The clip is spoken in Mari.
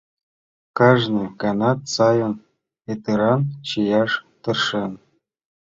Кажне ганат сайын, йытыран чияш тыршен.